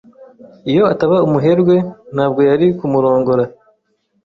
Iyo ataba umuherwe, ntabwo yari kumurongora.